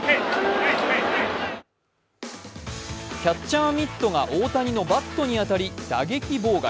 キャッチャーミットが大谷のバットに当たり、打撃妨害。